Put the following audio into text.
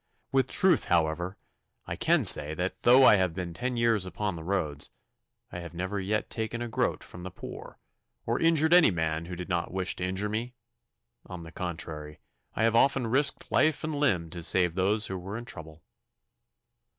With truth, however, I can say that though I have been ten years upon the roads, I have never yet taken a groat from the poor, or injured any man who did not wish to injure me. On the contrary, I have often risked life and limb to save those who were in trouble.